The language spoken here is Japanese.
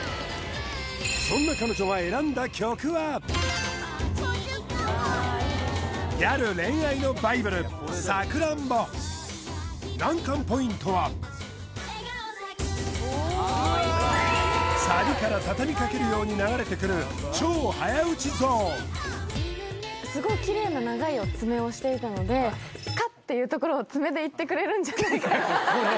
そんな彼女がギャル恋愛のバイブル難関ポイントは笑顔咲ク君サビから畳みかけるように流れてくる超早打ちゾーンすごいキレイな長い爪をしていたのでいってくれるんじゃないかなこれ？